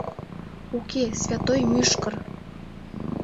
Уке, святой мӱшкыр!..